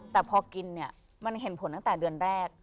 แต่พอกินเนี่ยมันเห็นผลตั้งแต่เดือนแรก